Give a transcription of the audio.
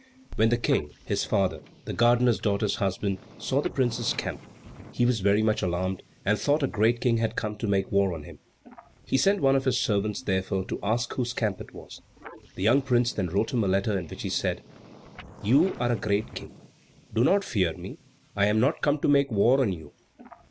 When the King, his father, the gardener's daughter's husband, saw the prince's camp, he was very much alarmed, and thought a great King had come to make war on him. He sent one of his servants, therefore, to ask whose camp it was. The young prince then wrote him a letter, in which he said, "You are a great King. Do not fear me. I am not come to make war on you.